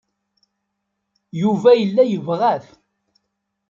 Yuba yella yebɣa-t.